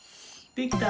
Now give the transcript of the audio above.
できた！